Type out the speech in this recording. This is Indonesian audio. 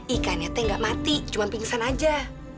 ikannya teh gak mati cuman pingsan aja